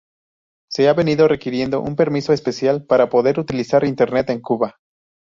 Se ha venido requiriendo un permiso especial para poder utilizar Internet en Cuba.